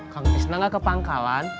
kang tisna gak kepangkalan